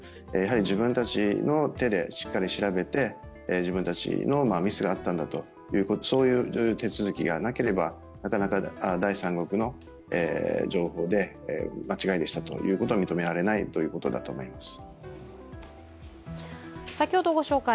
自分たちの手でしっかり調べて、自分たちのミスがあったんだと、そういう手続きがなければ、なかなか第三国の情報で間違いでしたとは認められないということだと思います。